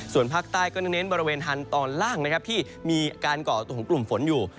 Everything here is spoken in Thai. ส่วนภาคใต้ก็เน้นบริเวณฮันต์ตอนล่างที่มีการเกาะตัวของกลุ่มฝนอยู่